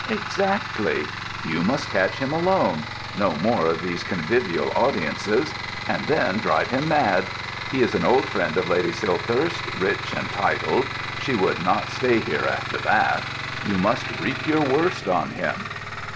"Exactly. You must catch him alone—no more of these convivial audiences—and then drive him mad. He is an old friend of Lady Silthirsk, rich and titled; she would not stay here after that. You must wreak your worst on him."